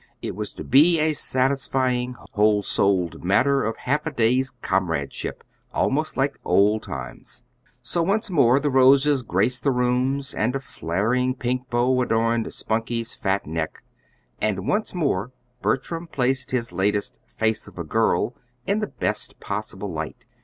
It was to be a satisfying, whole souled matter of half a day's comradeship, almost like old times. So once more the roses graced the rooms, and a flaring pink bow adorned Spunkie's fat neck; and once more Bertram placed his latest "Face of a Girl" in the best possible light.